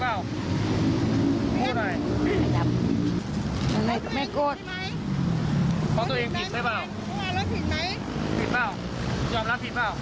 เพราะตัวเองผิดใช่เปล่ารับผิดไหมผิดเปล่ายอมรับผิดเปล่า